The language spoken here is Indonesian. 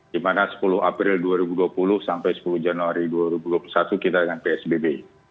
di mana sepuluh april dua ribu dua puluh sampai sepuluh januari dua ribu dua puluh satu kita dengan psbb